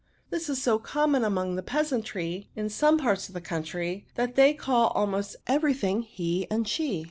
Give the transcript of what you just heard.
This is so common among the peasantry in some parts of the country^ that they call al most every thing he and she.